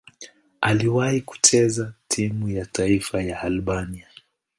Aliwahi kucheza timu ya taifa ya Albania.